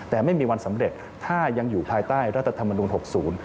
แต่ไม่มีวันสำเร็จถ้ายังอยู่ภายใต้รัฐธรรมนุนหกศูนย์